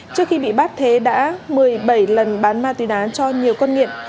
trước khi bị bắt thế đã một mươi bảy lần bán ma túy đá cho nhiều con nghiện